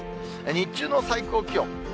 日中の最高気温。